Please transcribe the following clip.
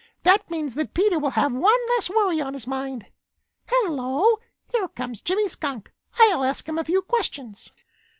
That means that Peter will have one less worry on his mind. Hello! Here comes Jimmy Skunk. I'll ask him a few questions."